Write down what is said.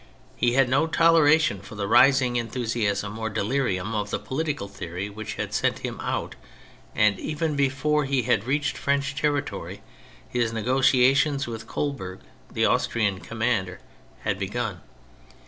He had no toleration for the rising enthusiasm or delirium of the political theory which had sent him out, and, even before he had reached French territory, his negotiations with Coburg, the Austrian commander, had begun.